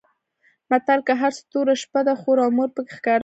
متل؛ که هر څو توره شپه ده؛ خور او مور په کې ښکاره ده.